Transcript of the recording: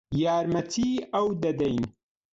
یارمەتیی ئەو دەدەین.